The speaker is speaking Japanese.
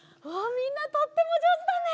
みんなとってもじょうずだね！